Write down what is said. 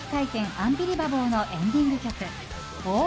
アンビリバボー」のエンディング曲「Ｏｈ！？